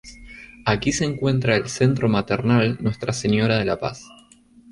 Aquí se encuentra el Centro Maternal Nuestra Señora de la Paz.